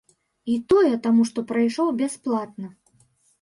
І тое, таму што прайшоў бясплатна.